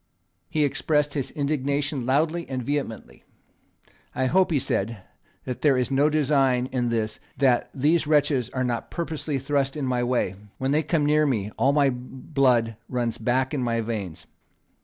He expressed his indignation loudly and vehemently. "I hope," he said, "that there is no design in this; that these wretches are not purposely thrust in my way. When they come near me all my blood runs back in my veins."